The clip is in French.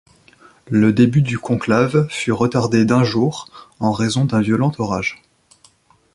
Le début du conclave fut retardé d'un jour en raison d'un violent orage.